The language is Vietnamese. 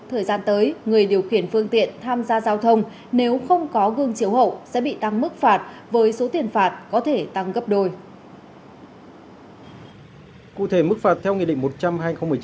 thời gian tới người điều khiển phương tiện tham gia giao thông